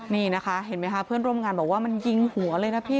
นี่นะคะเห็นไหมคะเพื่อนร่วมงานบอกว่ามันยิงหัวเลยนะพี่